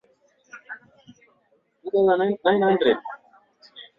Nilikupikia chakula cha jioni